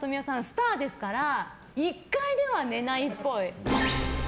スターですから１階では寝ないっぽい。